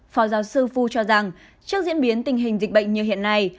phó giáo sư phu cho rằng trước diễn biến tình hình dịch bệnh như hiện nay